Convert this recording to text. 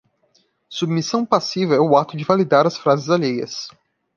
submissão passiva é o ato de validar as frases alheias